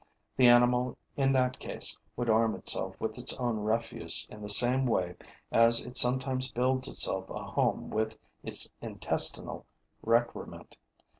The animal, in that case, would arm itself with its own refuse in the same way as it sometimes builds itself a home with its intestinal recrement.